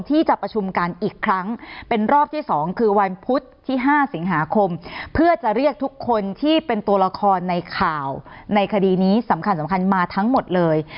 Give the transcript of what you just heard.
ที่จะประชุมกันอีกครั้งเป็นรอบที่๒คือวันพุธที่๕สิงหาคมเพื่อจะเรียกทุกคนที่เป็นตัวละครในข่าวในคดีนี้สำคัญสำคัญมาทั้งหมดเลย